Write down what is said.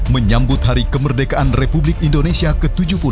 menyambut hari kemerdekaan republik indonesia ke tujuh puluh dua